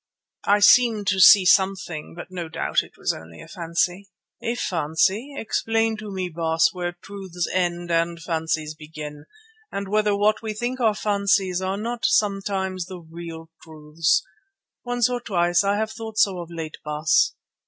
"I seemed to see something, but no doubt it was only a fancy." "A fancy? Explain to me, Baas, where truths end and fancies begin and whether what we think are fancies are not sometimes the real truths. Once or twice I have thought so of late, Baas."